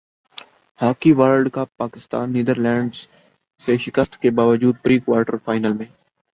hockey world cup Pakistan Netherlands سے شکست کے باوجود پری کوارٹر فائنل میں